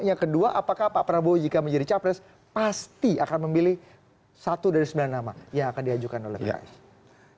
yang kedua apakah pak prabowo jika menjadi capres pasti akan memilih satu dari sembilan nama yang akan diajukan oleh pks